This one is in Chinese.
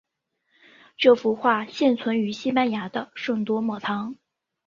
这幅画现存于西班牙的圣多默堂。